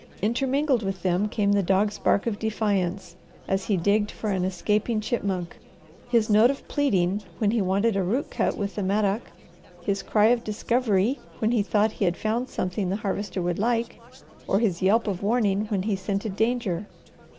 Intermingled with them came the dog's bark of defiance as he digged for an escaping chipmunk, his note of pleading when he wanted a root cut with the mattock, his cry of discovery when he thought he had found something the Harvester would like, or his yelp of warning when he scented danger.